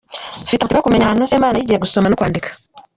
Mfite amatsiko yo kumenya ahantu Semana yigiye gusoma no kwandika.